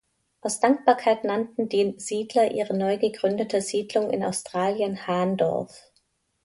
Aus Dankbarkeit nannten die Siedler ihre neu gegründete Siedlung in Australien Hahndorf.